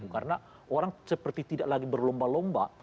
karena orang seperti tidak lagi berlomba lomba